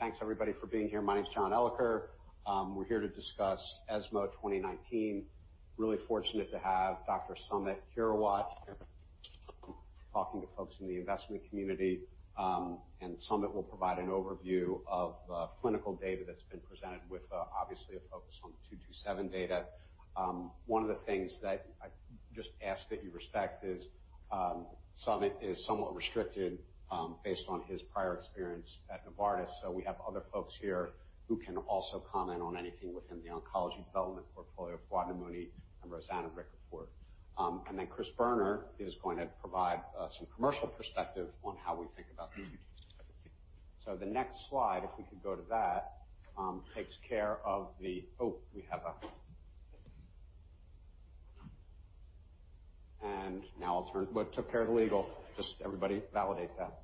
Thanks everybody for being here. My name's John Elicker. We're here to discuss ESMO 2019. Really fortunate to have Dr. Samit Hirawat here talking to folks in the investment community. Samit will provide an overview of the clinical data that's been presented with, obviously, a focus on the 227 data. One of the things that I just ask that you respect is Samit is somewhat restricted based on his prior experience at Novartis. We have other folks here who can also comment on anything within the oncology development portfolio, Fouad Namouni and Rosanna Rickford. Then Chris Boerner is going to provide some commercial perspective on how we think about the future. The next slide, if we could go to that. Oh, we have a. Well, it took care of the legal. Just everybody validate that.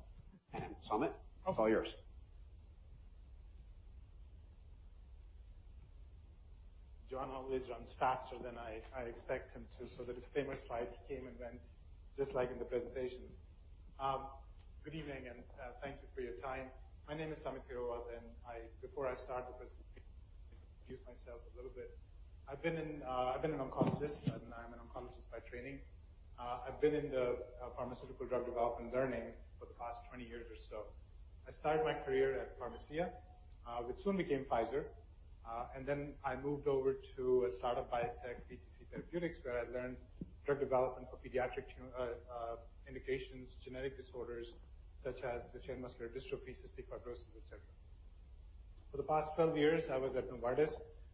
Samit, it's all yours. John always runs faster than I expect him to, so that his famous slide came and went just like in the presentations. Good evening. Thank you for your time. My name is Samit Hirawat, and before I start, because I'll introduce myself a little bit. I've been an oncologist and I'm an oncologist by training. I've been in the pharmaceutical drug development learning for the past 20 years or so. I started my career at Pharmacia, which soon became Pfizer. I moved over to a startup biotech, PTC Therapeutics, where I learned drug development for pediatric indications, genetic disorders such as Duchenne muscular dystrophy, cystic fibrosis, et cetera. For the past 12 years, I was at Novartis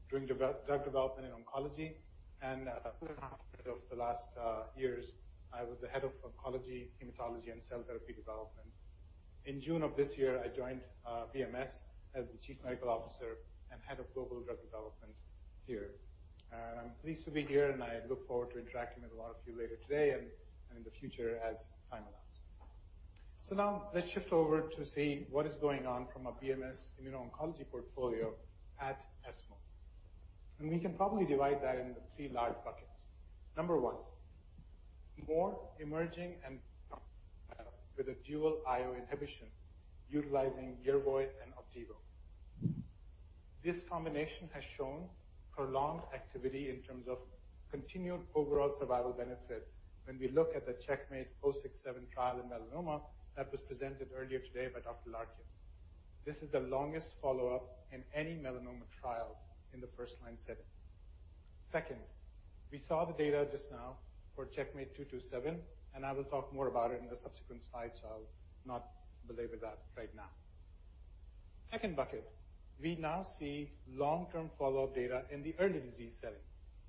doing drug development and oncology. For the last years, I was the head of oncology, hematology, and cell therapy development. In June of this year, I joined BMS as the Chief Medical Officer and Head of Global Drug Development here. I'm pleased to be here, and I look forward to interacting with a lot of you later today and in the future as time allows. Now let's shift over to see what is going on from a BMS immuno-oncology portfolio at ESMO. We can probably divide that into three large buckets. Number one, more emerging and with a dual IO inhibition utilizing YERVOY and OPDIVO. This combination has shown prolonged activity in terms of continued overall survival benefit when we look at the CheckMate 067 trial in melanoma that was presented earlier today by Dr. Larkin. This is the longest follow-up in any melanoma trial in the first-line setting. Second, we saw the data just now for CheckMate 227, and I will talk more about it in the subsequent slides, so I'll not belabor that right now. Second bucket, we now see long-term follow-up data in the early disease setting.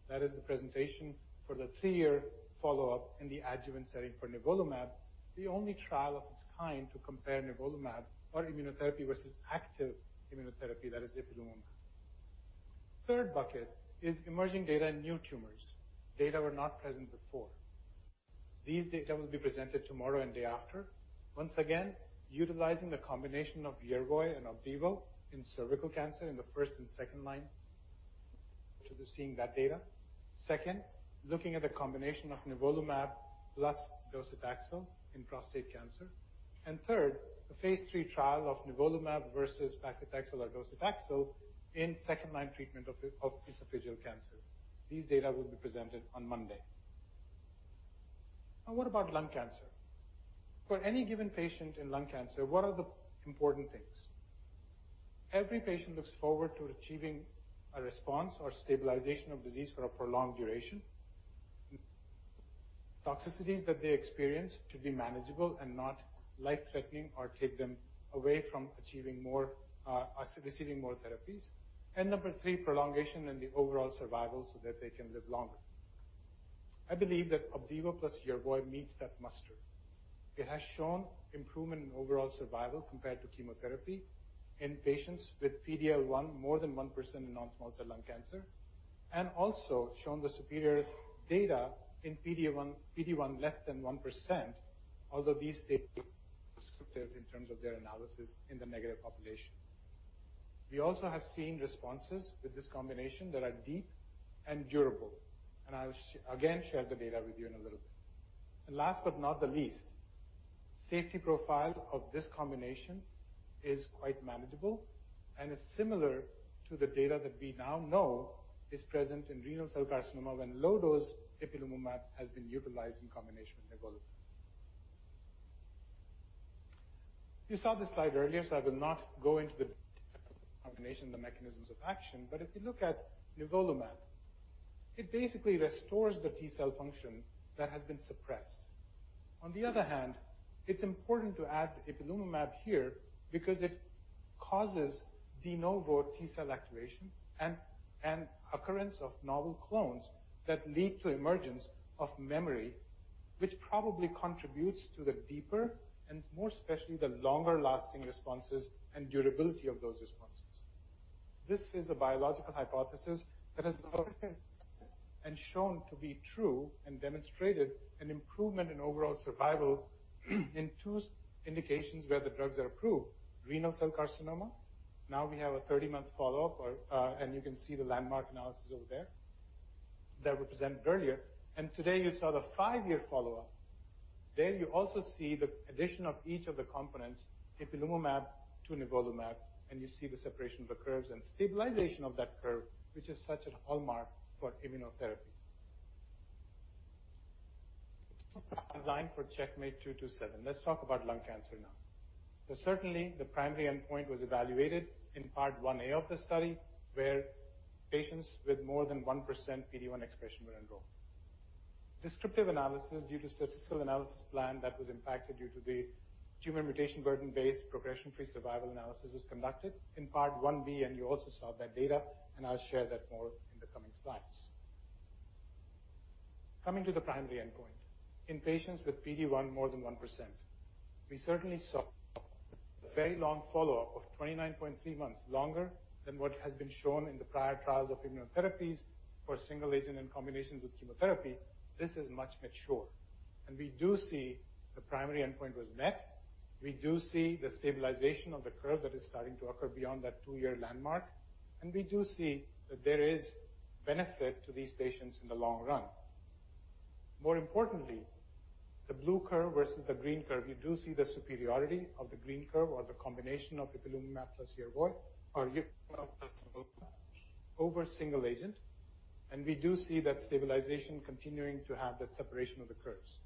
That is the presentation for the three-year follow-up in the adjuvant setting for nivolumab, the only trial of its kind to compare nivolumab or immunotherapy versus active immunotherapy, that is ipilimumab. Third bucket is emerging data in new tumors. Data were not present before. These data will be presented tomorrow and day after. Once again, utilizing the combination of YERVOY and OPDIVO in cervical cancer in the first and second line to be seeing that data. Second, looking at the combination of nivolumab plus docetaxel in prostate cancer. Third, the phase III trial of nivolumab versus paclitaxel or docetaxel in second-line treatment of esophageal cancer. These data will be presented on Monday. Now, what about lung cancer? For any given patient in lung cancer, what are the important things? Every patient looks forward to achieving a response or stabilization of disease for a prolonged duration. Toxicities that they experience to be manageable and not life-threatening or take them away from receiving more therapies. Number three, prolongation and the overall survival so that they can live longer. I believe that OPDIVO plus YERVOY meets that muster. It has shown improvement in overall survival compared to chemotherapy in patients with PD-L1, more than 1% in non-small cell lung cancer, also shown the superior data in PD-L1 less than 1%, although these data descriptive in terms of their analysis in the negative population. We also have seen responses with this combination that are deep and durable, and I'll again share the data with you in a little bit. Last but not the least, safety profile of this combination is quite manageable and is similar to the data that we now know is present in renal cell carcinoma when low dose ipilimumab has been utilized in combination with nivolumab. You saw this slide earlier, so I will not go into the combination, the mechanisms of action. If you look at nivolumab, it basically restores the T cell function that has been suppressed. On the other hand, it's important to add ipilimumab here because it causes de novo T cell activation and occurrence of novel clones that lead to emergence of memory, which probably contributes to the deeper and more especially, the longer-lasting responses and durability of those responses. This is a biological hypothesis that has and shown to be true and demonstrated an improvement in overall survival in two indications where the drugs are approved. Renal Cell Carcinoma. Now we have a 30-month follow-up, and you can see the landmark analysis over there that were presented earlier, and today you saw the 5-year follow-up. There you also see the addition of each of the components, ipilimumab to nivolumab, and you see the separation of the curves and stabilization of that curve, which is such a hallmark for immunotherapy. Designed for CheckMate 227. Let's talk about lung cancer now. Certainly, the primary endpoint was evaluated in part 1A of the study, where patients with more than 1% PD-L1 expression were enrolled. Descriptive analysis, due to statistical analysis plan that was impacted due to the tumor mutational burden based progression-free survival analysis was conducted in part 1b, and you also saw that data, and I'll share that more in the coming slides. Coming to the primary endpoint. In patients with PD-L1 more than 1%, we certainly saw a very long follow-up of 29.3 months, longer than what has been shown in the prior trials of immunotherapies for a single agent in combinations with chemotherapy. This is much mature. We do see the primary endpoint was met. We do see the stabilization of the curve that is starting to occur beyond that 2-year landmark, and we do see that there is benefit to these patients in the long run. More importantly, the blue curve versus the green curve, we do see the superiority of the green curve or the combination of ipilimumab plus YERVOY or nivolumab plus ipilimumab over single agent, and we do see that stabilization continuing to have that separation of the curves.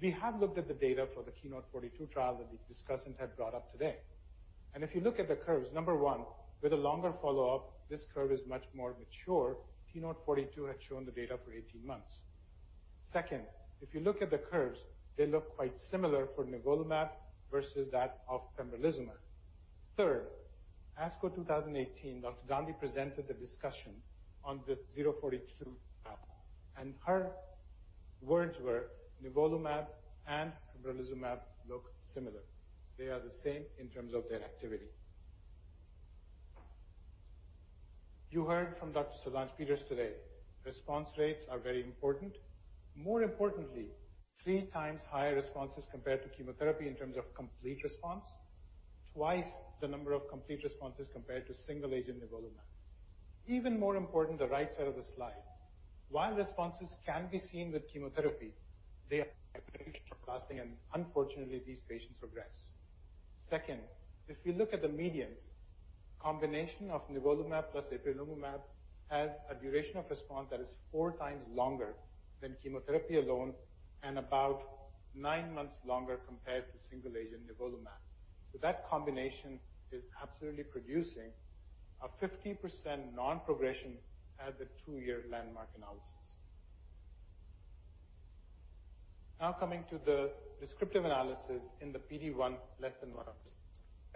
We have looked at the data for the KEYNOTE-042 trial that the discussant had brought up today. If you look at the curves, number one, with a longer follow-up, this curve is much more mature. KEYNOTE-042 had shown the data for 18 months. Second, if you look at the curves, they look quite similar for nivolumab versus that of pembrolizumab. Third, ASCO 2018, Leena Gandhi presented the discussion on the 042 trial, and her words were, "Nivolumab and pembrolizumab look similar. They are the same in terms of their activity." You heard from Dr. Solange Peters today. Response rates are very important. More importantly, three times higher responses compared to chemotherapy in terms of complete response. Twice the number of complete responses compared to single agent nivolumab. Even more important, the right side of the slide. While responses can be seen with chemotherapy, they are very short-lasting, and unfortunately, these patients progress. Second, if you look at the medians, combination of nivolumab plus ipilimumab has a duration of response that is four times longer than chemotherapy alone and about nine months longer compared to single-agent nivolumab. That combination is absolutely producing a 50% non-progression at the two-year landmark analysis. Coming to the descriptive analysis in the PD-L1 less than 1%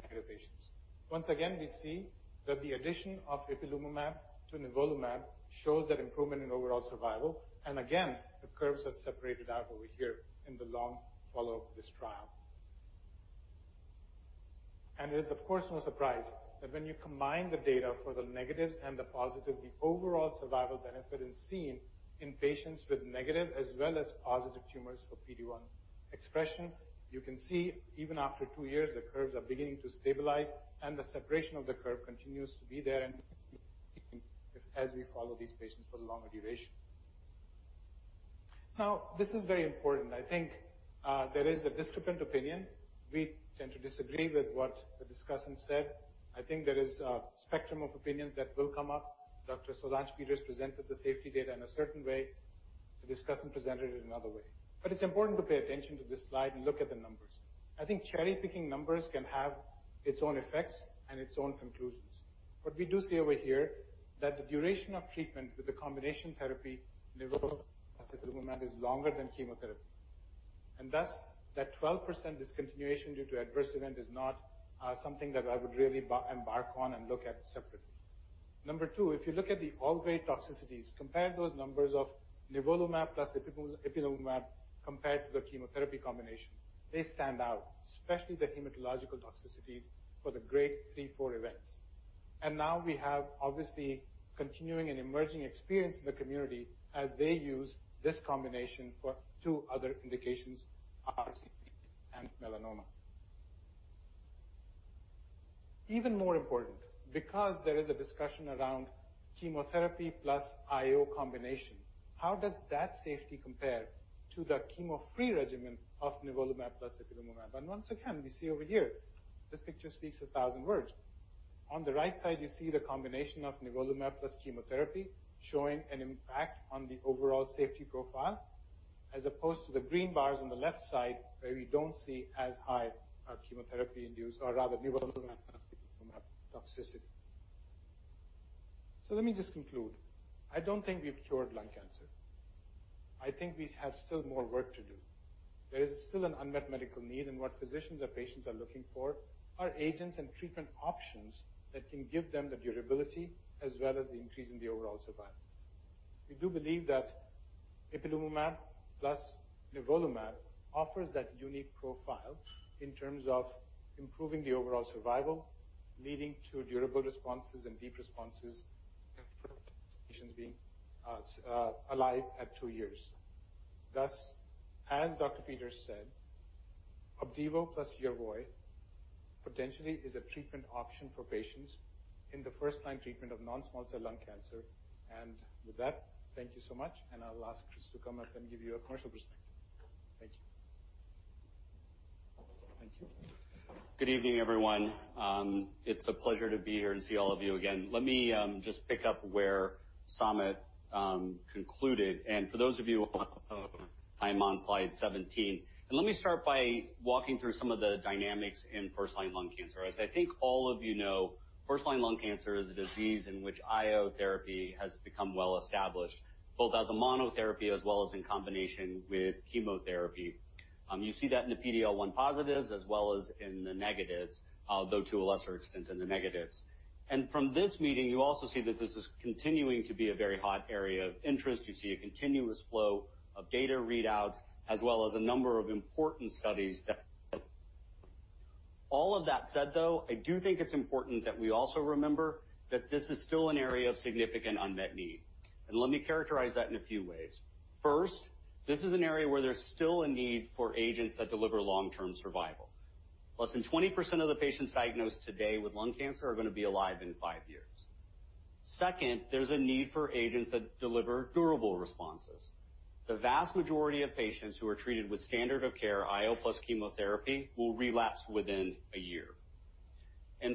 negative patients. Once again, we see that the addition of ipilimumab to nivolumab shows that improvement in overall survival. Again, the curves have separated out over here in the long follow-up of this trial. It is, of course, no surprise that when you combine the data for the negatives and the positive, the overall survival benefit is seen in patients with negative as well as positive tumors for PD-L1 expression. You can see even after 2 years, the curves are beginning to stabilize and the separation of the curve continues to be there and as we follow these patients for the longer duration. This is very important. I think there is a discrepant opinion. We tend to disagree with what the discussant said. I think there is a spectrum of opinions that will come up. Dr. Solange Peters presented the safety data in a certain way. The discussant presented it another way. It's important to pay attention to this slide and look at the numbers. I think cherry-picking numbers can have its own effects and its own conclusions. What we do see over here, that the duration of treatment with the combination therapy, nivolumab plus ipilimumab, is longer than chemotherapy. Thus, that 12% discontinuation due to adverse event is not something that I would really embark on and look at separately. Number 2, if you look at the all grade toxicities, compare those numbers of nivolumab plus ipilimumab compared to the chemotherapy combination. They stand out, especially the hematological toxicities for the grade 3, 4 events. Now we have, obviously, continuing and emerging experience in the community as they use this combination for two other indications, RCC and melanoma. Even more important, because there is a discussion around chemotherapy plus IO combination, how does that safety compare to the chemo-free regimen of nivolumab plus ipilimumab? Once again, we see over here, this picture speaks 1,000 words. On the right side, you see the combination of nivolumab plus chemotherapy showing an impact on the overall safety profile, as opposed to the green bars on the left side, where we don't see as high a chemotherapy-induced or rather nivolumab plus ipilimumab toxicity. Let me just conclude. I don't think we've cured lung cancer. I think we have still more work to do. There is still an unmet medical need, and what physicians or patients are looking for are agents and treatment options that can give them the durability as well as the increase in the overall survival. We do believe that ipilimumab plus nivolumab offers that unique profile in terms of improving the overall survival, leading to durable responses and deep responses of patients being alive at two years. Thus, as Dr. Peters said, OPDIVO plus YERVOY potentially is a treatment option for patients in the first-line treatment of non-small cell lung cancer. With that, thank you so much, and I'll ask Chris to come up and give you a commercial perspective. Thank you. Thank you. Good evening, everyone. It's a pleasure to be here and see all of you again. Let me just pick up where Samit concluded. For those of you on the phone, I'm on slide 17. Let me start by walking through some of the dynamics in first-line lung cancer. As I think all of you know, first-line lung cancer is a disease in which IO therapy has become well-established, both as a monotherapy as well as in combination with chemotherapy. You see that in the PD-L1 positives as well as in the negatives, although to a lesser extent in the negatives. From this meeting, you also see that this is continuing to be a very hot area of interest. You see a continuous flow of data readouts as well as a number of important studies. All of that said, though, I do think it's important that we also remember that this is still an area of significant unmet need. Let me characterize that in a few ways. First, this is an area where there's still a need for agents that deliver long-term survival. Less than 20% of the patients diagnosed today with lung cancer are going to be alive in five years. Second, there's a need for agents that deliver durable responses. The vast majority of patients who are treated with standard of care IO plus chemotherapy will relapse within a year.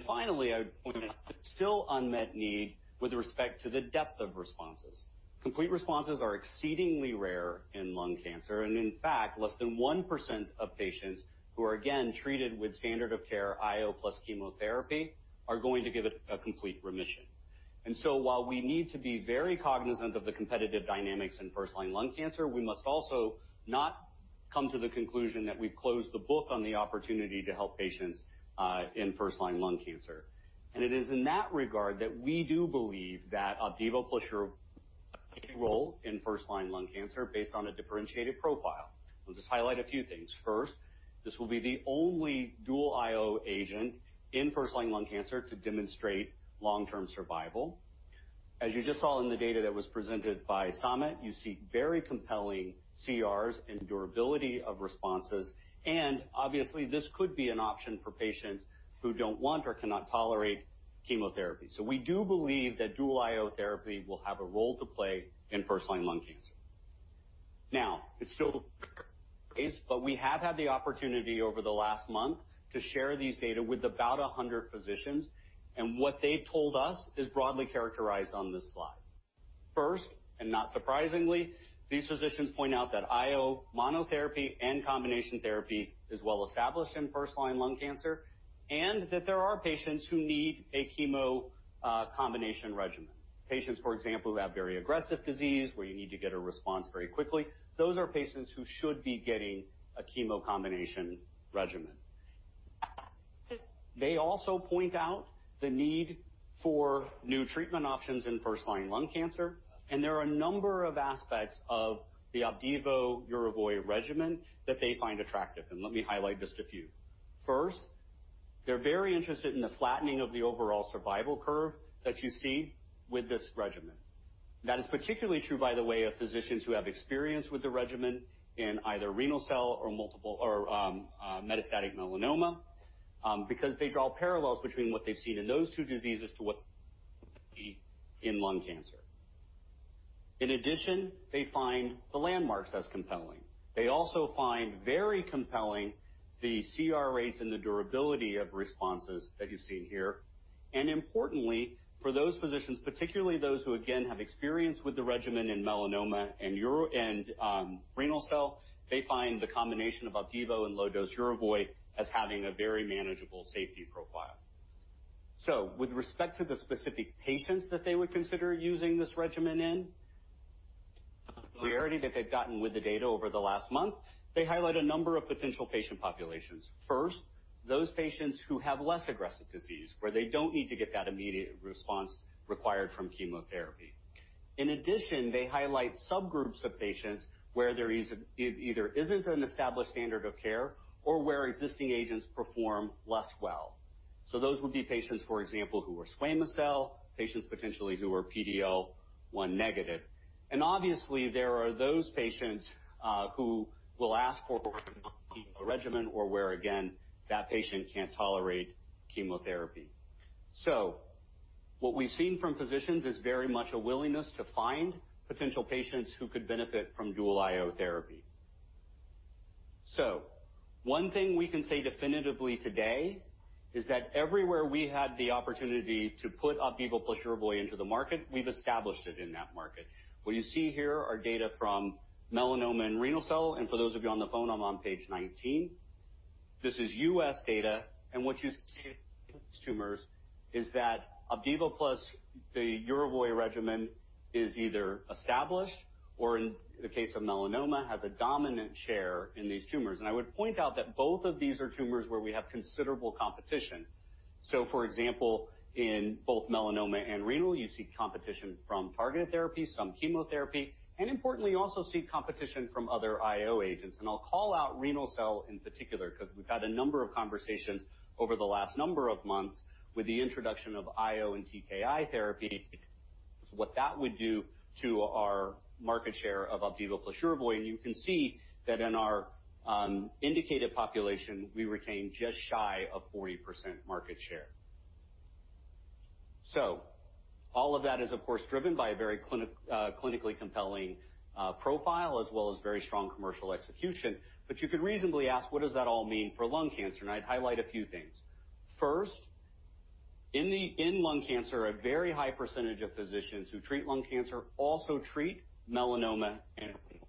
Finally, I would point out there's still unmet need with respect to the depth of responses. Complete responses are exceedingly rare in lung cancer. In fact, less than 1% of patients who are, again, treated with standard of care IO plus chemotherapy are going to get a complete remission. While we need to be very cognizant of the competitive dynamics in first-line lung cancer, we must also not come to the conclusion that we've closed the book on the opportunity to help patients in first-line lung cancer. It is in that regard that we do believe that OPDIVO plus YERVOY has a role in first-line lung cancer based on a differentiated profile. I'll just highlight a few things. First, this will be the only dual IO agent in first-line lung cancer to demonstrate long-term survival. As you just saw in the data that was presented by Samit, you see very compelling CRs and durability of responses, and obviously, this could be an option for patients who don't want or cannot tolerate chemotherapy. We do believe that dual IO therapy will have a role to play in first-line lung cancer. It's still but we have had the opportunity over the last month to share these data with about 100 physicians, and what they've told us is broadly characterized on this slide. First, and not surprisingly, these physicians point out that IO monotherapy and combination therapy is well-established in first-line lung cancer, and that there are patients who need a chemo combination regimen. Patients, for example, who have very aggressive disease, where you need to get a response very quickly, those are patients who should be getting a chemo combination regimen. They also point out the need for new treatment options in first-line lung cancer, and there are a number of aspects of the OPDIVO, YERVOY regimen that they find attractive, and let me highlight just a few. First, they're very interested in the flattening of the overall survival curve that you see with this regimen. That is particularly true, by the way, of physicians who have experience with the regimen in either renal cell or metastatic melanoma, because they draw parallels between what they've seen in those two diseases to what in lung cancer. In addition, they find the landmarks as compelling. They also find very compelling the CR rates and the durability of responses that you see here. Importantly, for those physicians, particularly those who again have experience with the regimen in melanoma and renal cell, they find the combination of OPDIVO and low dose YERVOY as having a very manageable safety profile. With respect to the specific patients that they would consider using this regimen in, the reality that they've gotten with the data over the last month, they highlight a number of potential patient populations. First, those patients who have less aggressive disease, where they don't need to get that immediate response required from chemotherapy. In addition, they highlight subgroups of patients where there either isn't an established standard of care or where existing agents perform less well. Those would be patients, for example, who are squamous cell, patients potentially who are PD-L1 negative. Obviously, there are those patients who will ask for a regimen or where, again, that patient can't tolerate chemotherapy. What we've seen from physicians is very much a willingness to find potential patients who could benefit from dual IO therapy. One thing we can say definitively today is that everywhere we had the opportunity to put OPDIVO plus YERVOY into the market, we've established it in that market. What you see here are data from melanoma and renal cell, and for those of you on the phone, I'm on page 19. This is U.S. data, and what you see in these tumors is that OPDIVO plus the YERVOY regimen is either established or in the case of melanoma, has a dominant share in these tumors. I would point out that both of these are tumors where we have considerable competition. For example, in both melanoma and renal, you see competition from targeted therapy, some chemotherapy, and importantly, you also see competition from other IO agents. I'll call out renal cell in particular, because we've had a number of conversations over the last number of months with the introduction of IO and TKI therapy, what that would do to our market share of OPDIVO plus YERVOY, and you can see that in our indicated population, we retain just shy of 40% market share. All of that is, of course, driven by a very clinically compelling profile as well as very strong commercial execution. You could reasonably ask, what does that all mean for lung cancer? I'd highlight a few things. First, in lung cancer, a very high percentage of physicians who treat lung cancer also treat melanoma and renal.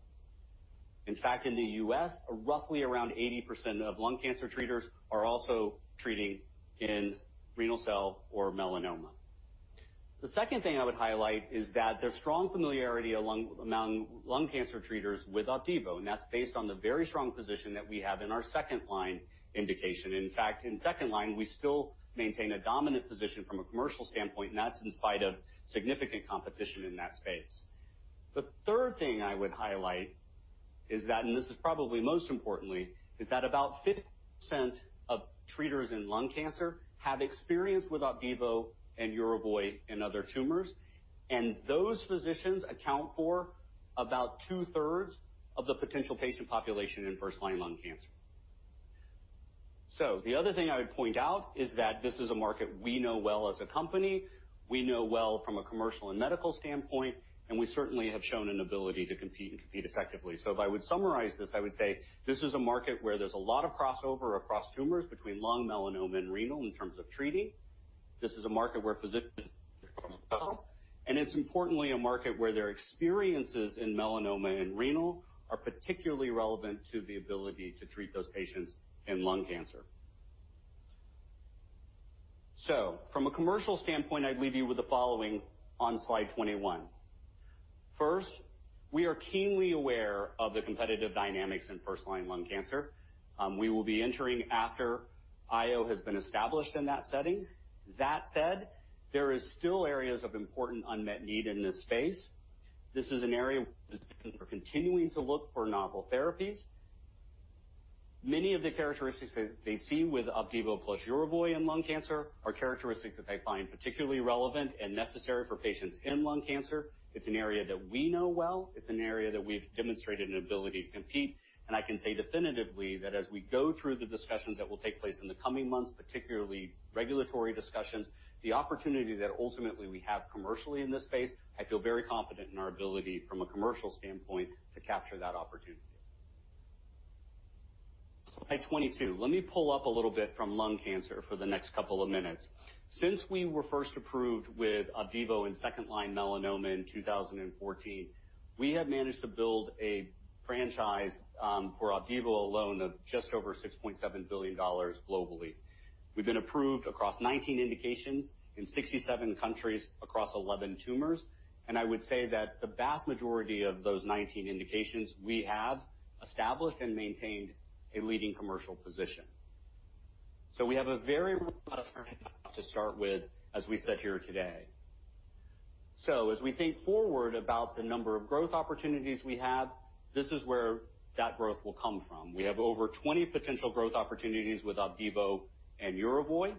In fact, in the U.S., roughly around 80% of lung cancer treaters are also treating in renal cell or melanoma. The second thing I would highlight is that there's strong familiarity among lung cancer treaters with OPDIVO, and that's based on the very strong position that we have in our second-line indication. In fact, in second line, we still maintain a dominant position from a commercial standpoint, and that's in spite of significant competition in that space. The third thing I would highlight is that, and this is probably most importantly, is that about 50% of treaters in lung cancer have experience with OPDIVO and YERVOY in other tumors, and those physicians account for about two-thirds of the potential patient population in first-line lung cancer. The other thing I would point out is that this is a market we know well as a company, we know well from a commercial and medical standpoint, and we certainly have shown an ability to compete and compete effectively. If I would summarize this, I would say this is a market where there's a lot of crossover across tumors between lung, melanoma, and renal in terms of treating. This is a market where physicians well, and it's importantly a market where their experiences in melanoma and renal are particularly relevant to the ability to treat those patients in lung cancer. From a commercial standpoint, I'd leave you with the following on slide 21. First, we are keenly aware of the competitive dynamics in first-line lung cancer. We will be entering after IO has been established in that setting. That said, there is still areas of important unmet need in this space. This is an area where physicians are continuing to look for novel therapies. Many of the characteristics that they see with OPDIVO plus YERVOY in lung cancer are characteristics that they find particularly relevant and necessary for patients in lung cancer. It's an area that we know well. It's an area that we've demonstrated an ability to compete. I can say definitively that as we go through the discussions that will take place in the coming months, particularly regulatory discussions, the opportunity that ultimately we have commercially in this space, I feel very confident in our ability from a commercial standpoint to capture that opportunity. Slide 22. Let me pull up a little bit from lung cancer for the next couple of minutes. Since we were first approved with OPDIVO in second-line melanoma in 2014, we have managed to build a franchise for OPDIVO alone of just over $6.7 billion globally. We've been approved across 19 indications in 67 countries across 11 tumors. I would say that the vast majority of those 19 indications, we have established and maintained a leading commercial position. We have a very to start with, as we sit here today. As we think forward about the number of growth opportunities we have, this is where that growth will come from. We have over 20 potential growth opportunities with OPDIVO and YERVOY.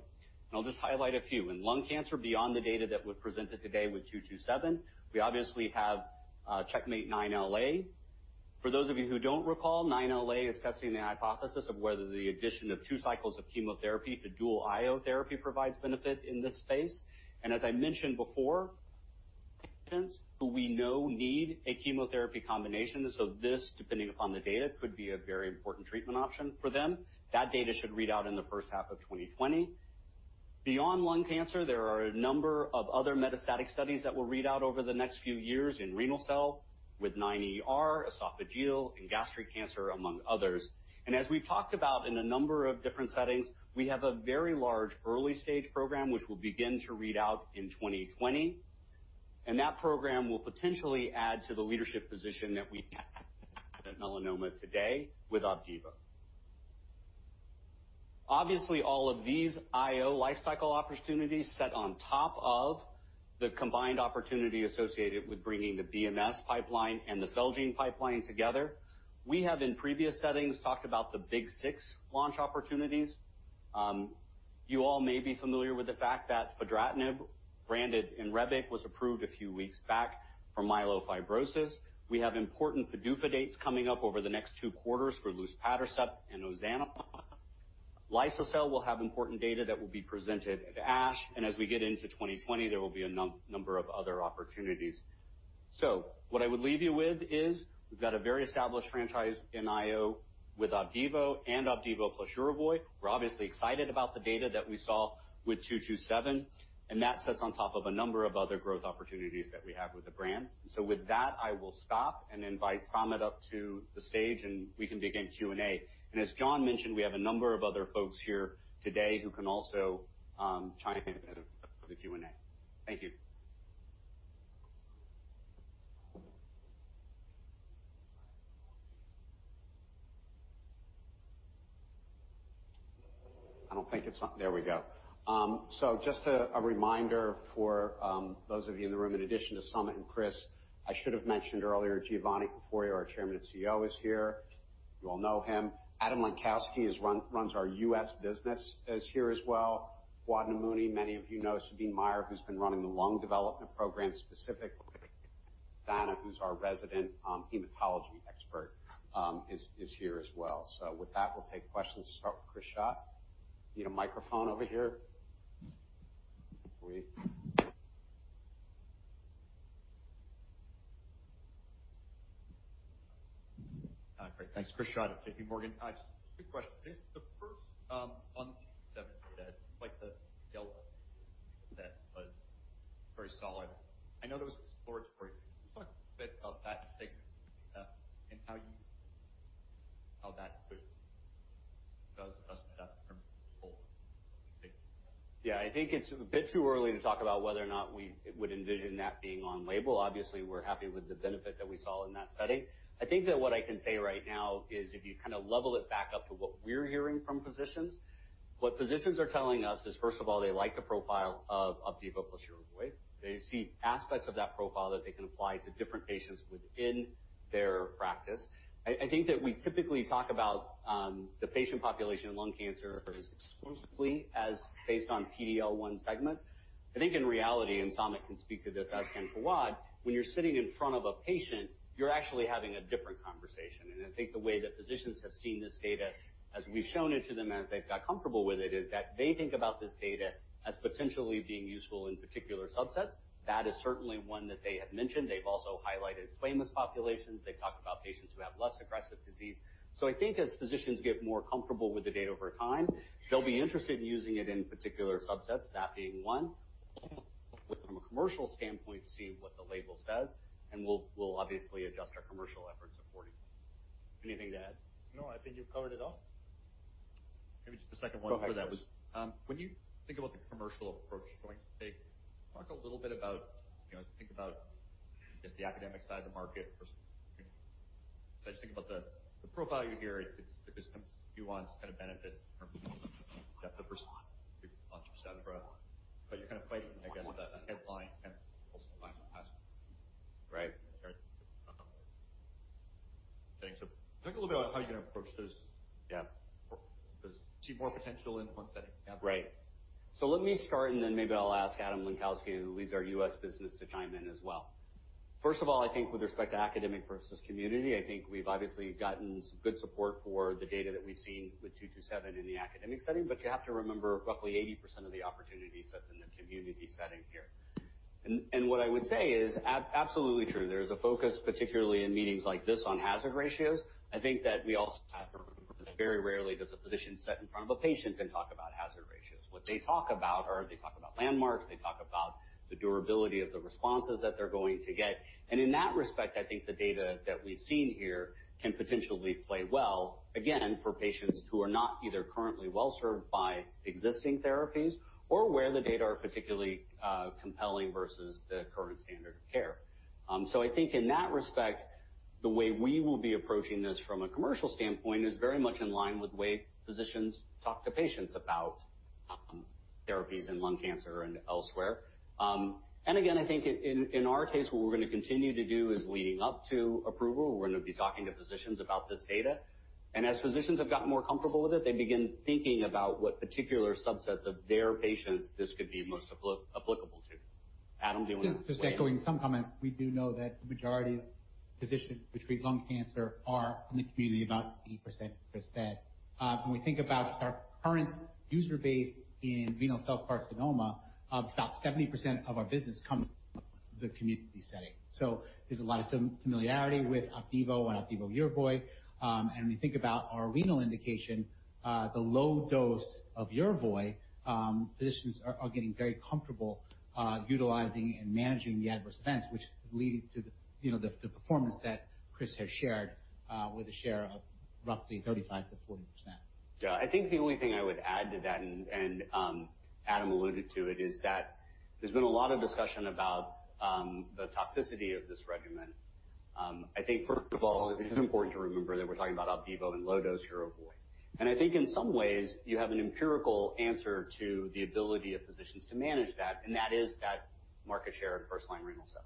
I'll just highlight a few. In lung cancer, beyond the data that was presented today with 227, we obviously have CheckMate 9LA. For those of you who don't recall, 9LA is testing the hypothesis of whether the addition of 2 cycles of chemotherapy to dual IO therapy provides benefit in this space. As I mentioned before, patients who we know need a chemotherapy combination, so this, depending upon the data, could be a very important treatment option for them. That data should read out in the first half of 2020. Beyond lung cancer, there are a number of other metastatic studies that will read out over the next few years in renal cell with 9ER, esophageal, and gastric cancer, among others. As we've talked about in a number of different settings, we have a very large early-stage program which will begin to read out in 2020, and that program will potentially add to the leadership position that we have at melanoma today with OPDIVO. Obviously, all of these IO life cycle opportunities set on top of the combined opportunity associated with bringing the BMS pipeline and the Celgene pipeline together. We have, in previous settings, talked about the big six launch opportunities. You all may be familiar with the fact that fedratinib, branded Inrebic, was approved a few weeks back for myelofibrosis. We have important PDUFA dates coming up over the next two quarters for luspatercept and ozanimod. liso-cel will have important data that will be presented at ASH, and as we get into 2020, there will be a number of other opportunities. What I would leave you with is we've got a very established franchise in IO with OPDIVO and OPDIVO plus YERVOY. We're obviously excited about the data that we saw with 227, and that sits on top of a number of other growth opportunities that we have with the brand. With that, I will stop and invite Samit up to the stage, and we can begin Q&A. As John mentioned, we have a number of other folks here today who can also chime in for the Q&A. Thank you. I don't think it's on. There we go. Just a reminder for those of you in the room, in addition to Samit and Chris, I should have mentioned earlier, Giovanni Caforio, our Chairman and CEO, is here. You all know him. Adam Lenkowsky runs our U.S. business, is here as well. Fouad Namouni, many of you know. Suding Meyer, who's been running the lung development program specifically. Dheena, who's our resident hematology expert, is here as well. With that, we'll take questions. Start with Chris Schott. Need a microphone over here. Great. Thanks. Chris Schott at JPMorgan. Two questions. The first one, like the YERVOY that was very solid. I know there was storage for it, but a bit of that segment. Yeah. I think it's a bit too early to talk about whether or not we would envision that being on label. Obviously, we're happy with the benefit that we saw in that setting. I think that what I can say right now is if you level it back up to what we're hearing from physicians, what physicians are telling us is, first of all, they like the profile of OPDIVO plus YERVOY. They see aspects of that profile that they can apply to different patients within their practice. I think that we typically talk about the patient population in lung cancer as exclusively as based on PD-L1 segments. I think in reality, and Samit can speak to this, as can Fouad, when you're sitting in front of a patient, you're actually having a different conversation. I think the way that physicians have seen this data, as we've shown it to them, as they've got comfortable with it, is that they think about this data as potentially being useful in particular subsets. That is certainly one that they have mentioned. They've also highlighted squamous populations. They've talked about patients who have less aggressive disease. I think as physicians get more comfortable with the data over time, they'll be interested in using it in particular subsets, that being one. From a commercial standpoint, see what the label says, and we'll obviously adjust our commercial efforts accordingly. Anything to add? No, I think you've covered it all. Maybe just a second one for that was, when you think about the commercial approach you're going to take, talk a little bit about, think about just the academic side of the market versus community. I just think about the profile you hear, it's the business nuance kind of benefits in terms of depth of response, launch et cetera. You're kind of fighting, I guess, the headline and also final payer access. Right. Okay, talk a little bit about how you're going to approach those. Yeah. We see more potential in one setting. Right. Let me start, and then maybe I'll ask Adam Lenkowsky, who leads our U.S. business, to chime in as well. First of all, I think with respect to academic versus community, I think we've obviously gotten some good support for the data that we've seen with 227 in the academic setting. You have to remember roughly 80% of the opportunity sets in the community setting here. What I would say is, absolutely true, there is a focus, particularly in meetings like this, on hazard ratios. I think that we also have to remember that very rarely does a physician sit in front of a patient and talk about hazard ratios. What they talk about are they talk about landmarks, they talk about the durability of the responses that they're going to get. In that respect, I think the data that we've seen here can potentially play well, again, for patients who are not either currently well-served by existing therapies or where the data are particularly compelling versus the current standard of care. I think in that respect, the way we will be approaching this from a commercial standpoint is very much in line with the way physicians talk to patients about therapies in lung cancer and elsewhere. Again, I think in our case, what we're going to continue to do is leading up to approval. We're going to be talking to physicians about this data. As physicians have gotten more comfortable with it, they begin thinking about what particular subsets of their patients this could be most applicable to. Adam, do you want to? Just echoing some comments. We do know that the majority of physicians who treat lung cancer are in the community, about 80%, Chris said. We think about our current user base in renal cell carcinoma, about 70% of our business comes from the community setting. There's a lot of familiarity with OPDIVO and OPDIVO Yervoy. When we think about our renal indication, the low dose of Yervoy, physicians are getting very comfortable utilizing and managing the adverse events, which is leading to the performance that Chris has shared, with a share of roughly 35%-40%. Yeah, I think the only thing I would add to that, Adam alluded to it, is that there's been a lot of discussion about the toxicity of this regimen. I think first of all, it is important to remember that we're talking about OPDIVO and low dose Yervoy. I think in some ways, you have an empirical answer to the ability of physicians to manage that, and that is that market share in first-line renal cell.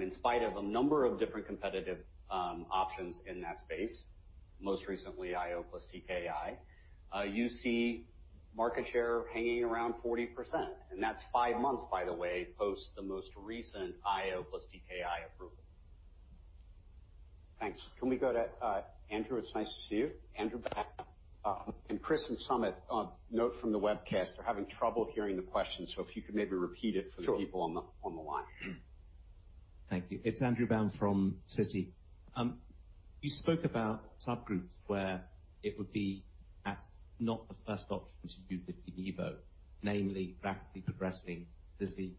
In spite of a number of different competitive options in that space, most recently IO plus TKI, you see market share hanging around 40%. That's five months, by the way, post the most recent IO plus TKI approval. Thanks. Can we go to Andrew? It's nice to see you. Andrew Baum. Chris and Samit, a note from the webcast, they're having trouble hearing the question. If you could maybe repeat it for the people on the line. Thank you. It's Andrew Baum from Citi. You spoke about subgroups where it would be at not the first option to use OPDIVO, namely rapidly progressing disease.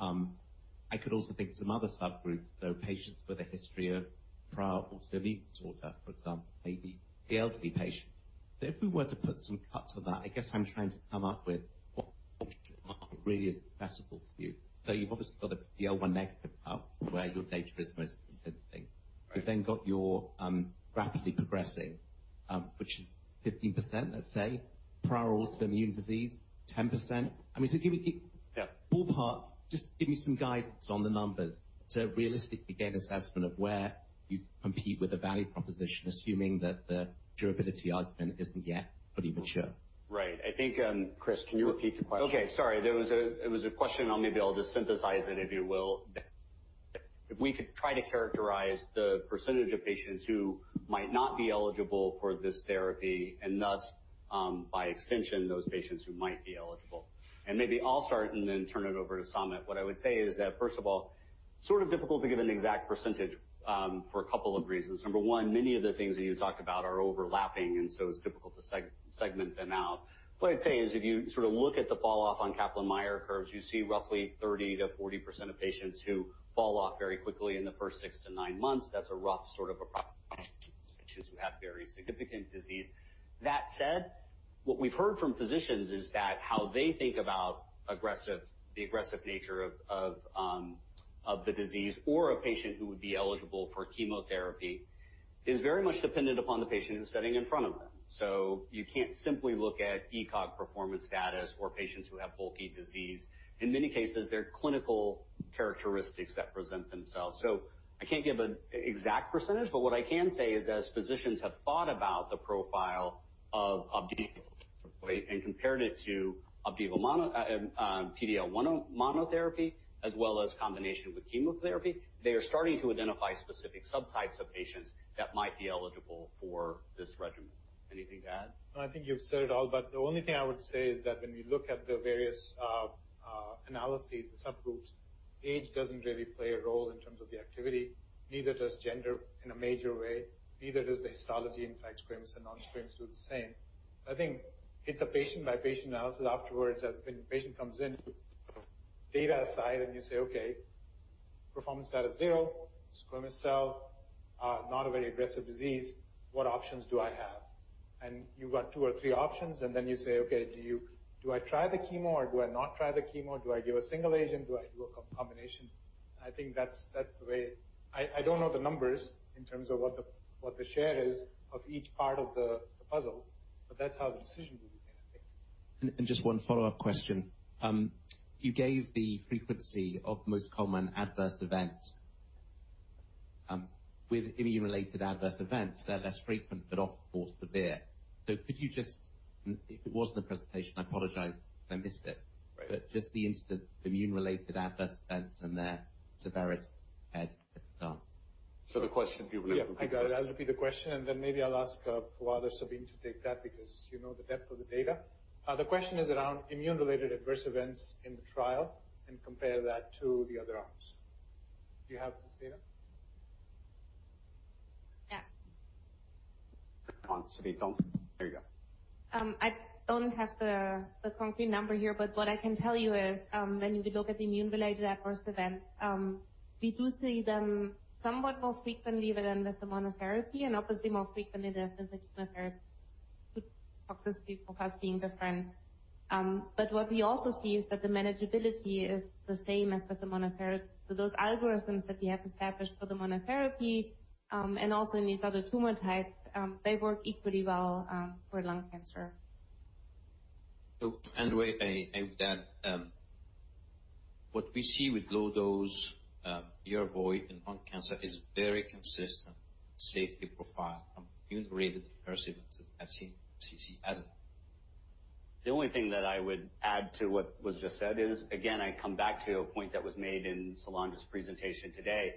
I could also think of some other subgroups, so patients with a history of prior autoimmune disorder, for example, maybe the elderly patient. If we were to put some cuts of that, I guess I'm trying to come up with what really is accessible to you. You've obviously got a PD-L1 negative out where your data is most interesting. Right. You've got your rapidly progressing 15%, let's say, prior autoimmune disease, 10%. Yeah ballpark, just give me some guidance on the numbers to realistically get an assessment of where you compete with the value proposition, assuming that the durability argument isn't yet fully mature. Right. I think, Chris, can you repeat the question? Okay. Sorry, it was a question, maybe I'll just synthesize it, if you will. If we could try to characterize the percentage of patients who might not be eligible for this therapy, and thus, by extension, those patients who might be eligible. Maybe I'll start and then turn it over to Samit. What I would say is that, first of all, sort of difficult to give an exact percentage for a couple of reasons. Number one, many of the things that you talked about are overlapping, it's difficult to segment them out. What I'd say is if you look at the fall-off on Kaplan-Meier curves, you see roughly 30%-40% of patients who fall off very quickly in the first six to nine months. That's a rough approximation, which is we have very significant disease. That said, what we've heard from physicians is that how they think about the aggressive nature of the disease or a patient who would be eligible for chemotherapy is very much dependent upon the patient who's sitting in front of them. You can't simply look at ECOG performance status for patients who have bulky disease. In many cases, they're clinical characteristics that present themselves. I can't give an exact percentage, but what I can say is as physicians have thought about the profile of OPDIVO and compared it to PD-L1 monotherapy as well as combination with chemotherapy, they are starting to identify specific subtypes of patients that might be eligible for this regimen. Anything to add? No, I think you've said it all, but the only thing I would say is that when we look at the various analyses, the subgroups, age does not really play a role in terms of the activity. Neither does gender in a major way, neither does the histology. In fact, squamous and non-squamous do the same. I think it is a patient-by-patient analysis afterwards that when the patient comes in, data aside, and you say, "Okay, performance status 0, squamous cell, not a very aggressive disease. What options do I have?" You have two or three options, then you say, "Okay, do I try the chemo or do I not try the chemo? Do I give a single agent? Do I do a combination?" I think that is the way. I don't know the numbers in terms of what the share is of each part of the puzzle, but that's how the decision will be made, I think. Just one follow-up question. You gave the frequency of most common adverse events. With immune-related adverse events, they're less frequent but often more severe. Could you just, if it was in the presentation, I apologize if I missed it? Right. Just the instance of immune-related adverse events and their severity at the start. The question, if you believe- Yeah. I got it. I'll repeat the question and then maybe I'll ask Fouad or Sabine to take that because you know the depth of the data. The question is around immune-related adverse events in the trial and compare that to the other arms. Do you have this data? Yeah. Come on, Sabine. There you go. I don't have the concrete number here, but what I can tell you is, when we look at the immune-related adverse events, we do see them somewhat more frequently than the monotherapy and obviously more frequently than the chemotherapy, toxicity profile being different. What we also see is that the manageability is the same as with the monotherapy. Those algorithms that we have established for the monotherapy, and also in these other tumor types, they work equally well for lung cancer. I would add, what we see with low-dose YERVOY in lung cancer is very consistent safety profile immune-related adverse events as we have seen in cancer as a whole. The only thing that I would add to what was just said is, again, I come back to a point that was made in Solange's presentation today,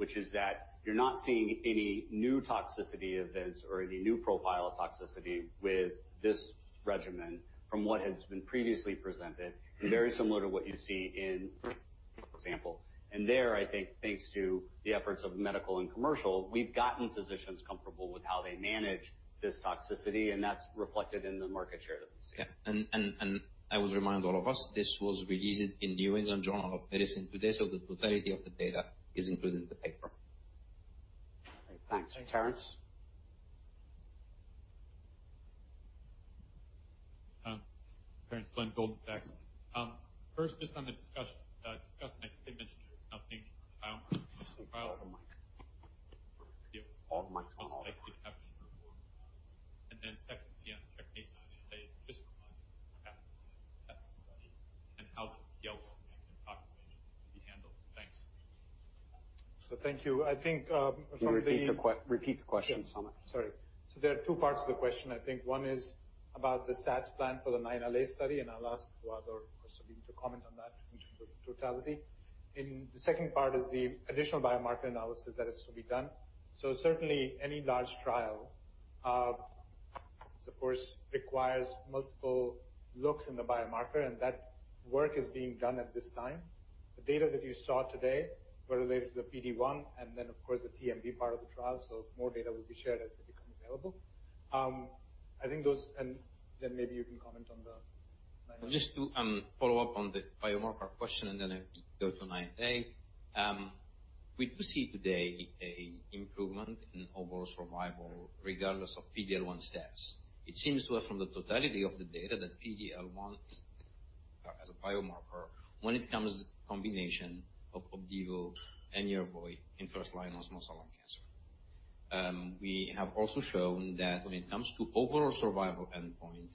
which is that you're not seeing any new toxicity events or any new profile of toxicity with this regimen from what has been previously presented, very similar to what you see in for example. There, I think, thanks to the efforts of medical and commercial, we've gotten physicians comfortable with how they manage this toxicity, and that's reflected in the market share that we see. Yeah. I would remind all of us, this was released in the New England Journal of Medicine today, so the totality of the data is included in the paper. Thanks. Terence? Terence Flynn, Goldman Sachs. First, just on the discussion, I think you mentioned there was nothing On the mic. On the mic. Second, on the CheckMate 9LA, just remind me the stats plan for that study and how the elderly population will be handled. Thanks. Thank you. Can you repeat the question, Samit? Sorry. There are two parts to the question. I think one is about the stats plan for the 9LA study, and I'll ask Fouad or Sabine to comment on that in terms of the totality. The second part is the additional biomarker analysis that is to be done. Certainly, any large trial, of course, requires multiple looks in the biomarker, and that work is being done at this time. The data that you saw today were related to the PD-L1 and then, of course, the TMB part of the trial, so more data will be shared as they become available. I think those. Just to follow up on the biomarker question, and then I go to 9LA. We do see today a improvement in overall survival regardless of PD-L1 status. It seems to us from the totality of the data that PD-L1. As a biomarker when it comes to the combination of OPDIVO and YERVOY in first-line or small cell lung cancer. We have also shown that when it comes to overall survival endpoint,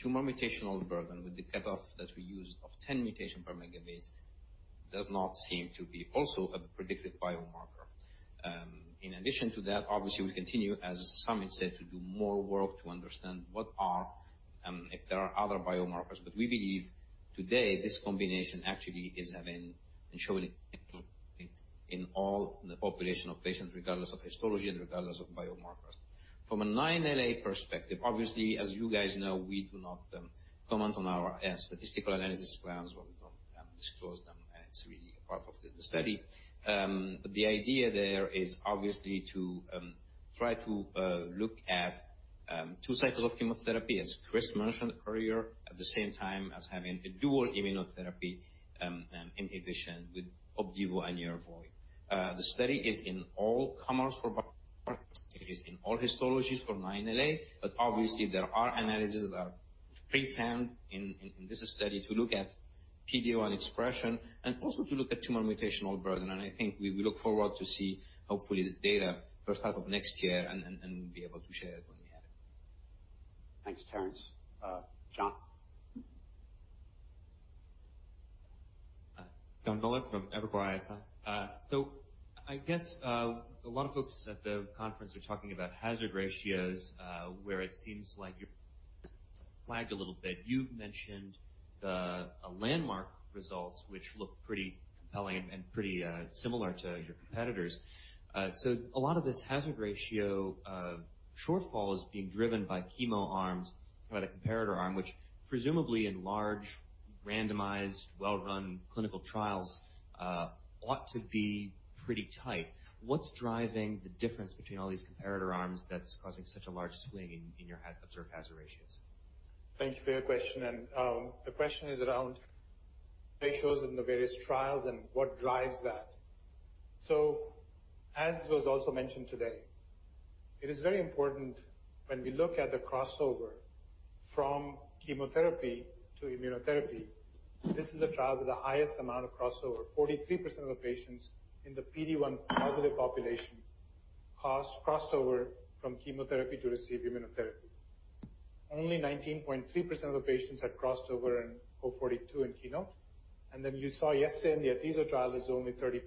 tumor mutational burden with the cutoff that we used of 10 mutation per megabase does not seem to be also a predictive biomarker. In addition to that, obviously, we continue, as Samit said, to do more work to understand what are, if there are other biomarkers. We believe today this combination actually is having and showing it in all the population of patients, regardless of histology and regardless of biomarkers. From a 9LA perspective, obviously, as you guys know, we do not comment on our statistical analysis plans, or we don't disclose them, and it's really a part of the study. The idea there is obviously to try to look at two cycles of chemotherapy, as Chris mentioned earlier, at the same time as having a dual immunotherapy inhibition with OPDIVO and YERVOY. The study is in all comers for biomarker. It is in all histologies for 9LA, but obviously there are analyses that are pre-planned in this study to look at PD-L1 expression and also to look at tumor mutational burden. I think we look forward to see, hopefully, the data first half of next year and be able to share it when we have it. Thanks, Terence. John. Jon Miller from Evercore ISI. I guess a lot of folks at the conference are talking about hazard ratios, where it seems like you're flagged a little bit. You've mentioned the landmark results, which look pretty compelling and pretty similar to your competitors. A lot of this hazard ratio shortfall is being driven by chemo arms, by the comparator arm, which presumably in large, randomized, well-run clinical trials ought to be pretty tight. What's driving the difference between all these comparator arms that's causing such a large swing in your observed hazard ratios? Thank you for your question. The question is around ratios in the various trials and what drives that. As was also mentioned today, it is very important when we look at the crossover from chemotherapy to immunotherapy, this is a trial with the highest amount of crossover. 43% of the patients in the PD-L1 positive population crossed over from chemotherapy to receive immunotherapy. Only 19.3% of the patients had crossed over in KEYNOTE-042 and KEYNOTE. You saw yesterday in the atezolizumab trial, it was only 30%.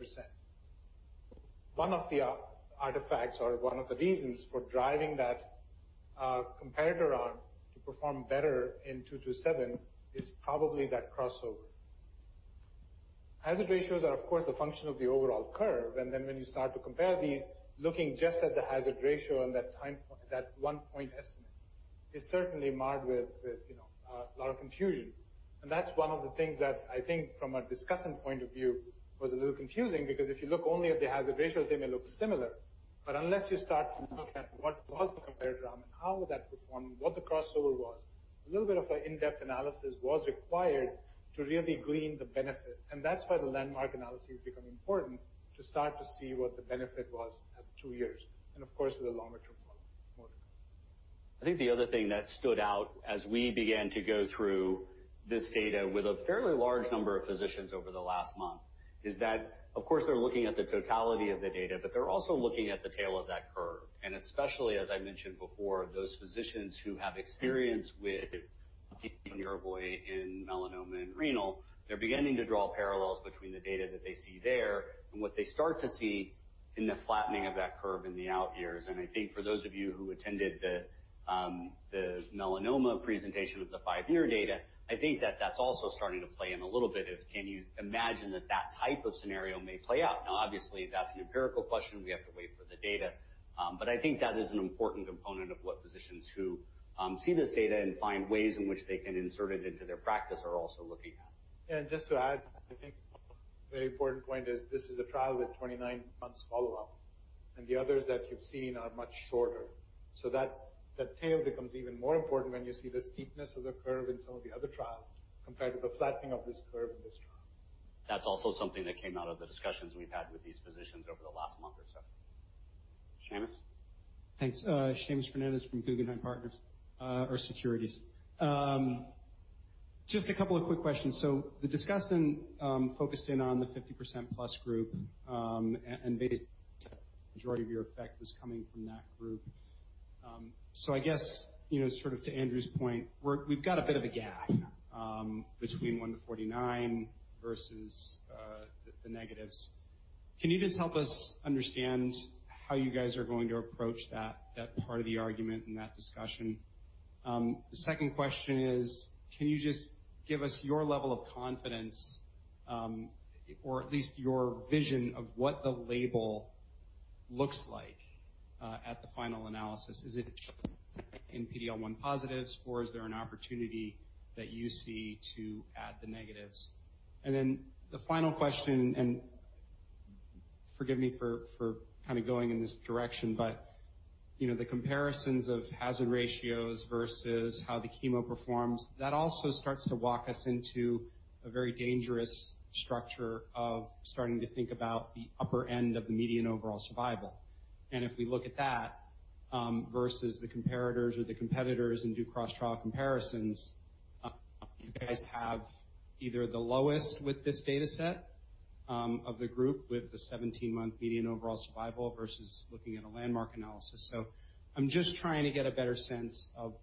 One of the artifacts or one of the reasons for driving that comparator arm to perform better in CheckMate 227 is probably that crossover. Hazard ratios are, of course, a function of the overall curve, then when you start to compare these, looking just at the hazard ratio and that one point estimate is certainly marred with a lot of confusion. That's one of the things that I think from a discussing point of view, was a little confusing, because if you look only at the hazard ratio, they may look similar. Unless you start to look at what was the comparator arm and how would that perform, what the crossover was, a little bit of an in-depth analysis was required to really glean the benefit. That's why the landmark analysis is becoming important to start to see what the benefit was at two years and of course, with the longer term follow-up. I think the other thing that stood out as we began to go through this data with a fairly large number of physicians over the last month is that, of course, they're looking at the totality of the data, but they're also looking at the tail of that curve. Especially as I mentioned before, those physicians who have experience with OPDIVO and YERVOY in melanoma and renal, they're beginning to draw parallels between the data that they see there and what they start to see in the flattening of that curve in the out years. I think for those of you who attended the melanoma presentation with the five-year data, I think that that's also starting to play in a little bit of can you imagine that type of scenario may play out. Now, obviously, that's an empirical question. We have to wait for the data. I think that is an important component of what physicians who see this data and find ways in which they can insert it into their practice are also looking at. Just to add, I think a very important point is this is a trial with 29 months follow-up, and the others that you've seen are much shorter. That tail becomes even more important when you see the steepness of the curve in some of the other trials compared to the flattening of this curve in this trial. That's also something that came out of the discussions we've had with these physicians over the last month or so. Seamus. Thanks. Seamus Fernandez from Guggenheim Partners or Securities. Just a couple of quick questions. The discussant focused in on the 50% plus group, and based on the majority of your effect was coming from that group. I guess, sort of to Andrew's point, we've got a bit of a gap between one to 49 versus the negatives. Can you just help us understand how you guys are going to approach that part of the argument and that discussion? The second question is, can you just give us your level of confidence or at least your vision of what the label looks like at the final analysis? Is it in PD-L1 positives, or is there an opportunity that you see to add the negatives? The final question, and forgive me for kind of going in this direction, the comparisons of hazard ratios versus how the chemo performs, that also starts to walk us into a very dangerous structure of starting to think about the upper end of the median overall survival. versus the comparators or the competitors and do cross-trial comparisons. You guys have either the lowest with this data set of the group with the 17-month median overall survival versus looking at a landmark analysis. I'm just trying to get a better sense of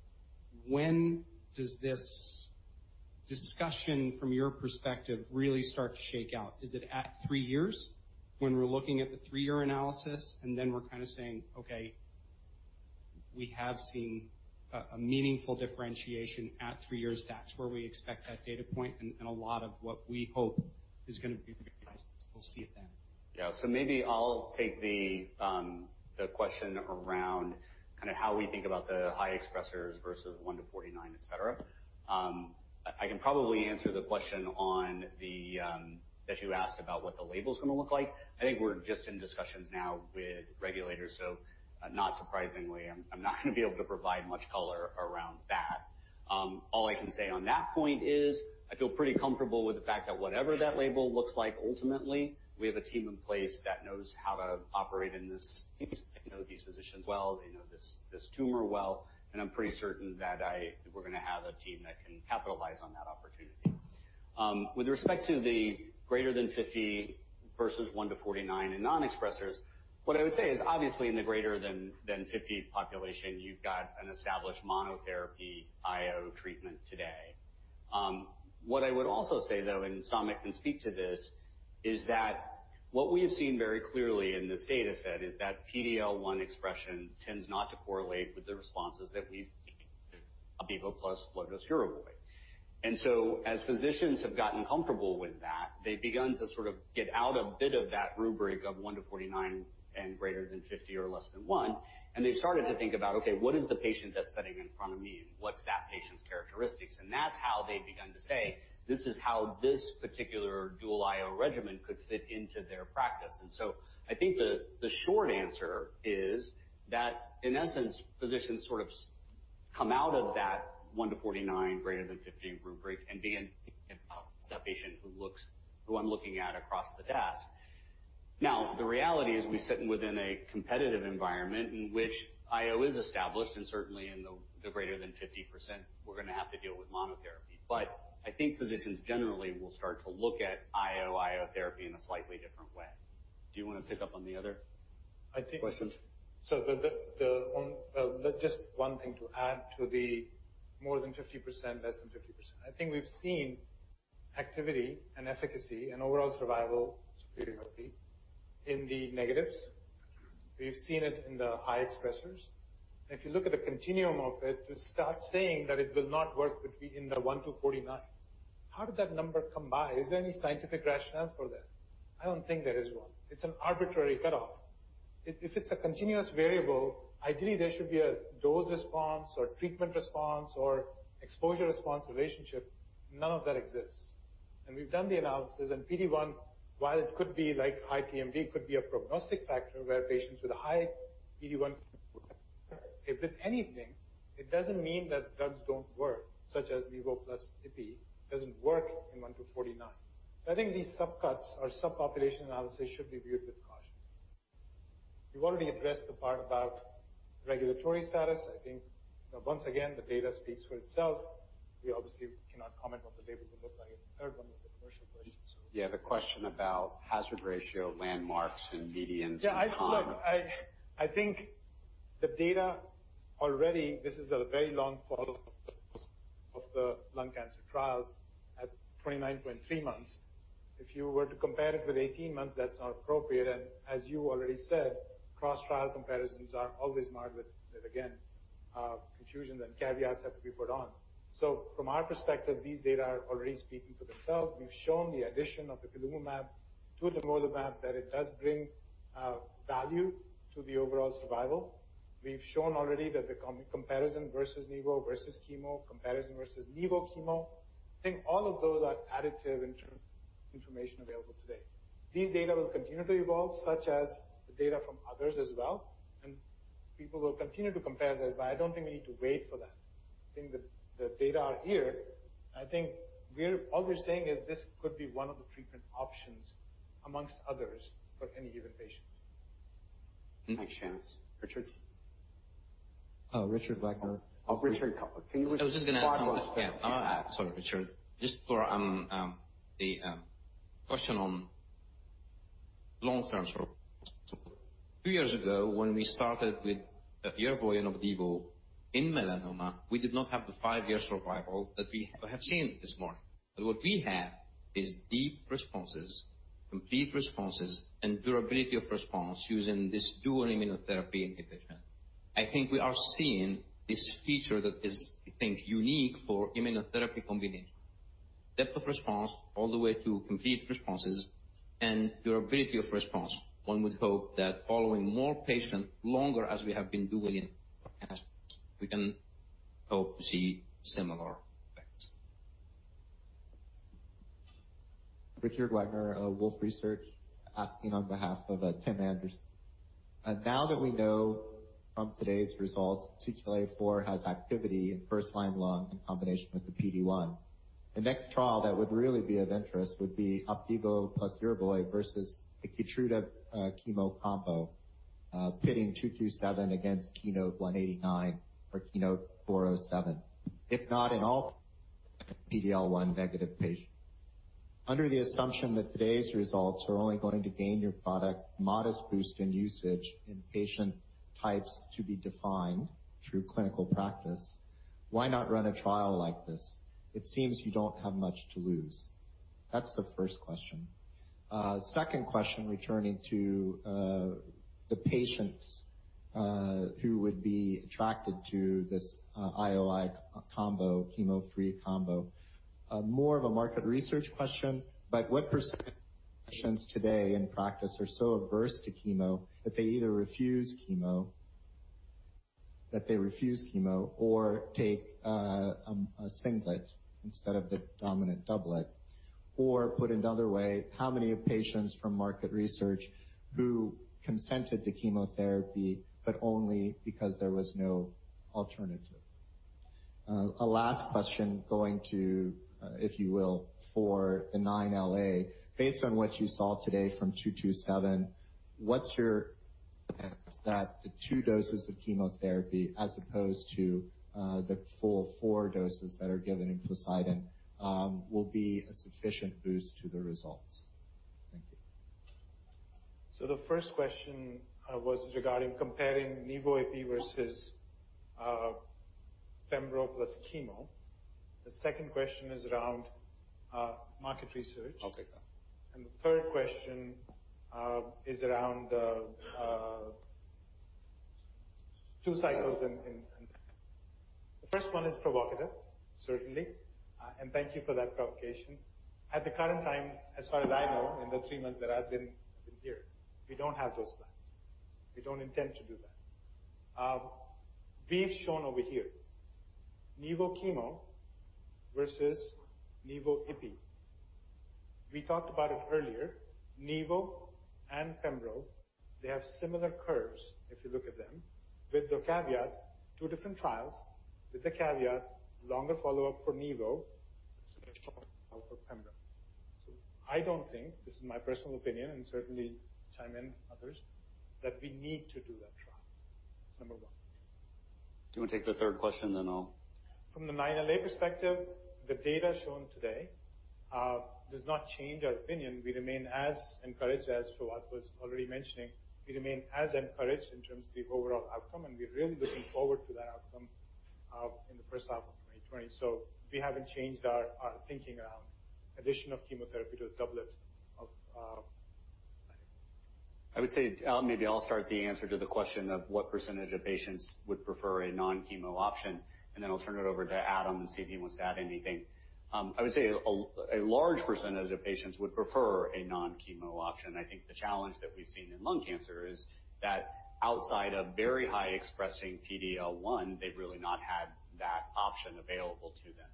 when does this discussion, from your perspective, really start to shake out. Is it at three years when we're looking at the three-year analysis, and then we're kind of saying, "Okay, we have seen a meaningful differentiation at three years. That's where we expect that data point, and a lot of what we hope is going to be very nice, we'll see it then. Yeah. Maybe I'll take the question around how we think about the high expressers versus one to 49, et cetera. I can probably answer the question that you asked about what the label's going to look like. I think we're just in discussions now with regulators. Not surprisingly, I'm not going to be able to provide much color around that. All I can say on that point is I feel pretty comfortable with the fact that whatever that label looks like ultimately, we have a team in place that knows how to operate in this space. They know these physicians well. They know this tumor well, and I'm pretty certain that we're going to have a team that can capitalize on that opportunity. With respect to the greater than 50 versus 1 to 49 in non-expressers, what I would say is obviously in the greater than 50 population, you've got an established monotherapy IO treatment today. What I would also say, though, Samit can speak to this, is that what we have seen very clearly in this data set is that PD-L1 expression tends not to correlate with the responses that we've seen with OPDIVO plus low-dose YERVOY. As physicians have gotten comfortable with that, they've begun to sort of get out a bit of that rubric of 1 to 49 and greater than 50 or less than 1. They've started to think about, "Okay, what is the patient that's sitting in front of me? What's that patient's characteristics?" That's how they've begun to say, "This is how this particular dual IO regimen could fit into their practice." I think the short answer is that, in essence, physicians sort of come out of that one to 49 greater than 50 rubric and begin thinking about the patient who I'm looking at across the desk. The reality is we sit within a competitive environment in which IO is established, and certainly in the greater than 50%, we're going to have to deal with monotherapy. I think physicians generally will start to look at IO/IO therapy in a slightly different way. Do you want to pick up on the other questions? Just one thing to add to the more than 50%, less than 50%. I think we've seen activity and efficacy and overall survival superiority in the negatives. We've seen it in the high expressers. If you look at a continuum of it, to start saying that it will not work between the one to 49, how did that number come by? Is there any scientific rationale for that? I don't think there is one. It's an arbitrary cutoff. If it's a continuous variable, ideally there should be a dose response or treatment response or exposure response relationship. None of that exists. We've done the analysis, and PD-L1, while it could be like high TMB, could be a prognostic factor where patients with high PD-L1. If anything, it doesn't mean that drugs don't work, such as nivo plus YERVOY doesn't work in one to 49. I think these subcuts or subpopulation analysis should be viewed with caution. You've already addressed the part about regulatory status. I think once again, the data speaks for itself. We obviously cannot comment what the labels will look like in the third one with the commercial version. Yeah, the question about hazard ratio landmarks and medians and time. Yeah. Look, I think the data already, this is a very long follow-up of the lung cancer trials at 29.3 months. If you were to compare it with 18 months, that's not appropriate. As you already said, cross-trial comparisons are always marred with, again, confusion and caveats have to be put on. From our perspective, these data are already speaking for themselves. We've shown the addition of the ipilimumab to the nivolumab, that it does bring value to the overall survival. We've shown already the comparison versus nivo, versus chemo, comparison versus nivo-chemo. I think all of those are additive in terms of information available today. These data will continue to evolve, such as the data from others as well, and people will continue to compare that, but I don't think we need to wait for that. I think the data are here, and I think all we're saying is this could be one of the treatment options amongst others for any given patient. Thanks, Samit. Richard? Richard Wagner. Richard. I was just going to ask one. Sorry, Richard. Just for the question on long-term sort. Two years ago, when we started with the YERVOY and OPDIVO in melanoma, we did not have the five-year survival that we have seen this morning. What we have is deep responses, complete responses, and durability of response using this dual immunotherapy indication. I think we are seeing this feature that is, we think, unique for immunotherapy combination. Depth of response all the way to complete responses and durability of response. One would hope that following more patients longer as we have been doing in breast cancer, we can hope to see similar effects. Richard Wagner, Wolfe Research, asking on behalf of Tim Anderson. Now that we know from today's results CTLA-4 has activity in first-line lung in combination with the PD-1. The next trial that would really be of interest would be OPDIVO plus YERVOY versus the KEYTRUDA chemo combo, pitting 227 against KEYNOTE-189 or KEYNOTE-407, if not in all PD-L1 negative patients. Under the assumption that today's results are only going to gain your product modest boost in usage in patient types to be defined through clinical practice, why not run a trial like this? It seems you don't have much to lose. That's the first question. Second question, returning to the patients who would be attracted to this IO/IO combo, chemo-free combo. More of a market research question, what percentage of patients today in practice are so averse to chemo that they either refuse chemo or take a singlet instead of the dominant doublet? Put another way, how many patients from market research who consented to chemotherapy, but only because there was no alternative? A last question going to, if you will, for the 9LA. Based on what you saw today from 227, what's your sense that the two doses of chemotherapy as opposed to the full four doses that are given in POSEIDON will be a sufficient boost to the results? Thank you. The first question was regarding comparing nivo/ipi versus pembro plus chemo. The second question is around market research. Okay. The third question is around two cycles in. The first one is provocative, certainly. Thank you for that provocation. At the current time, as far as I know, in the three months that I've been here, we don't have those plans. We don't intend to do that. We've shown over here, nivo chemo versus nivo/ipi. We talked about it earlier, nivo and pembro, they have similar curves if you look at them, with the caveat, two different trials, with the caveat, longer follow-up for nivo, shorter follow-up for pembro. I don't think, this is my personal opinion, and certainly chime in others, that we need to do that trial. That's number one. Do you want to take the third question? From the 9LA perspective, the data shown today does not change our opinion. We remain as encouraged as Fouad was already mentioning. We remain as encouraged in terms of the overall outcome, and we're really looking forward to that outcome in the first half of 2020. We haven't changed our thinking around addition of chemotherapy to the doublet of. I would say, maybe I'll start the answer to the question of what % of patients would prefer a non-chemo option, and then I'll turn it over to Adam and see if he wants to add anything. I would say a large % of patients would prefer a non-chemo option. I think the challenge that we've seen in lung cancer is that outside of very high expressing PD-L1, they've really not had that option available to them.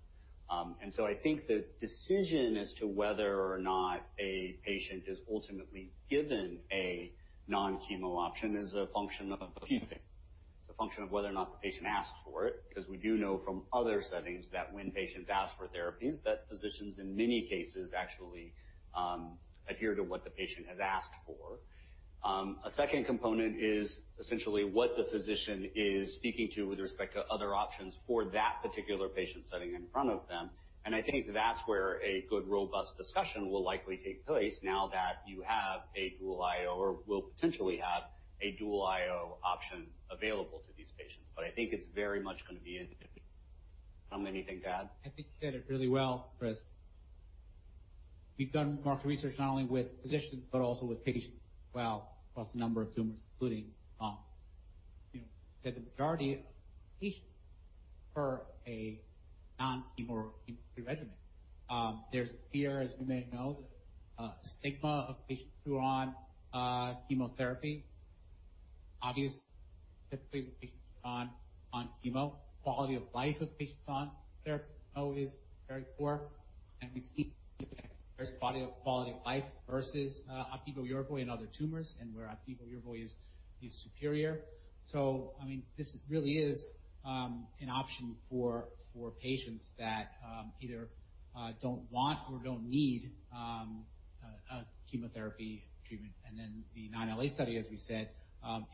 I think the decision as to whether or not a patient is ultimately given a non-chemo option is a function of a few things. It's a function of whether or not the patient asks for it, because we do know from other settings that when patients ask for therapies, that physicians in many cases actually adhere to what the patient has asked for. A second component is essentially what the physician is speaking to with respect to other options for that particular patient setting in front of them. I think that's where a good, robust discussion will likely take place now that you have a dual IO or will potentially have a dual IO option available to these patients. I think it's very much going to be individual. Adam, anything to add? I think you said it really well, Chris. We've done market research not only with physicians but also with patients as well, across a number of tumors, including that the majority of patients prefer a non-chemo regimen. There's fear, as we may know, the stigma of patients who are on chemotherapy. Obviously, typically with patients who are on chemo, quality of life of patients on therapy is very poor, and we see there's quality of life versus OPDIVO YERVOY in other tumors and where OPDIVO YERVOY is superior. This really is an option for patients that either don't want or don't need a chemotherapy treatment. The 9LA study, as we said,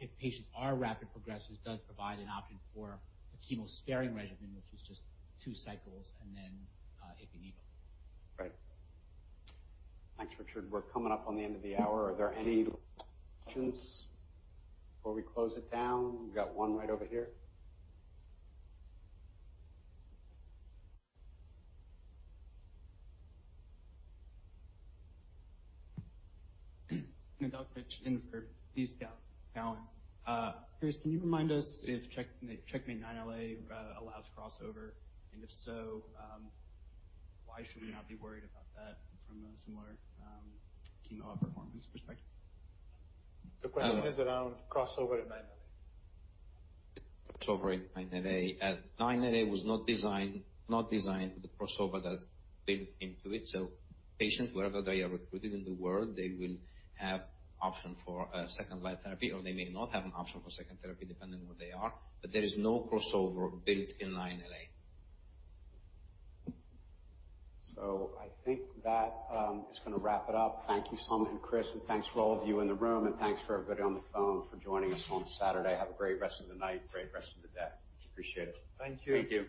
if patients are rapid progressers, does provide an option for a chemo-sparing regimen, which is just two cycles and then ipi/nivo. Right. Thanks, Richard. We're coming up on the end of the hour. Are there any questions before we close it down? We've got one right over here. [Dr. Chin for these talents]. Chris, can you remind us if CheckMate 9LA allows crossover, and if so, why should we not be worried about that from a similar chemo performance perspective? The question is around crossover in 9LA. Crossover in 9LA. 9LA was not designed with the crossover that's built into it. Patients, wherever they are recruited in the world, they will have option for a second-line therapy, or they may not have an option for second therapy, depending where they are. There is no crossover built in 9LA. I think that is going to wrap it up. Thank you, Samit and Chris, and thanks for all of you in the room, and thanks for everybody on the phone for joining us on Saturday. Have a great rest of the night. Great rest of the day. Appreciate it. Thank you. Thank you.